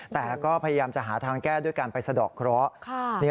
แต่ก็พยายามจะหาทางแก้ด้วยการไปสะดอกเคราะห์